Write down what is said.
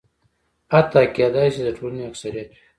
حتی کېدای شي د ټولنې اکثریت وي.